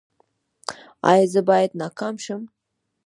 ایا زه باید ناکام شم؟